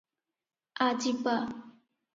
ଆ- ଯିବା ।"